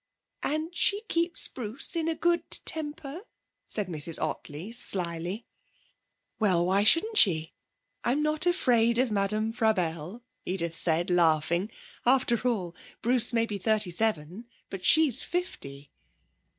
'And she keeps Bruce in a good temper?' said Mrs Ottley slyly. 'Well, why shouldn't she? I'm not afraid of Madame Frabelle,' Edith said, laughing. 'After all, Bruce may be thirty seven, but she's fifty.'